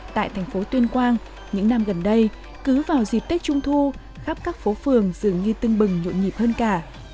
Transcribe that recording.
tại thành phố tuyên quang những năm gần đây cứ vào dịp tết trung thu khắp các phố phường dường như tưng bừng nhộn nhịp hơn cả